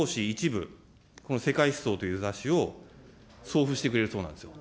１部、この世界思想という雑誌を送付してくれるそうなんですよ。